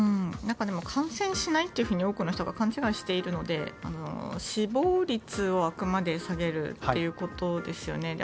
なんか、感染しないと多くの人が勘違いしているので死亡率を、あくまで下げるということですよね。